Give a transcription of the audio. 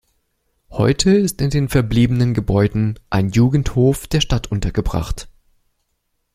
Heute ist in den verbliebenen Gebäuden ein Jugendhof der Stadt untergebracht.